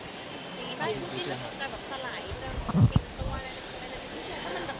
แบบคู่จินจะแบบสาระเรียกรู้ตัว